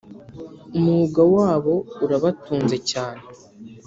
umwuga wabo urabatunze cyane